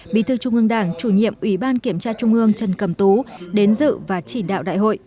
bí thư trung ương đảng chủ nhiệm ủy ban kiểm tra trung ương trần cầm tú đến dự và chỉ đạo đại hội